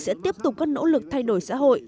sẽ tiếp tục các nỗ lực thay đổi xã hội